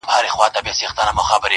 • چي كله مخ ښكاره كړي ماته ځېرسي اې ه.